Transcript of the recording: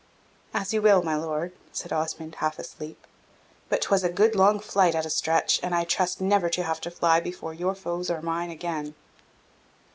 "As you will, my Lord," said Osmond, half asleep; "but 'twas a good long flight at a stretch, and I trust never to have to fly before your foes or mine again."